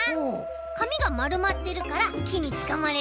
かみがまるまってるからきにつかまれるんだよ。